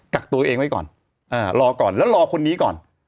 กักตัวเองไว้ก่อนรอก่อนแล้วรอคนนี้ก่อน